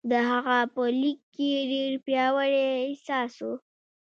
د هغه په لیک کې ډېر پیاوړی احساس و